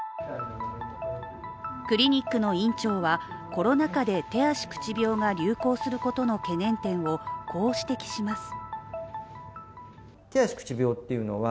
クリニックの院長は、コロナ禍で手足口病が流行することの懸念点をこう指摘します。